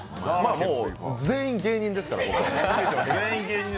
全員芸人ですから。